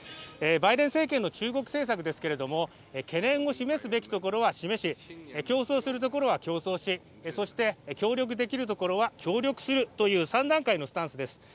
バイデン政権の中国政策ですけれども懸念を示すべきところは示し競争するところは競争しそして協力できるところは協力するという３段階のスタンスです。